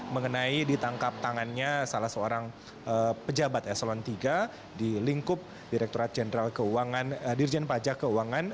mengenai ditangkap tangannya salah seorang pejabat eselon iii di lingkup direkturat jenderal dirjen pajak keuangan